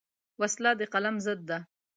وسله د قلم ضد ده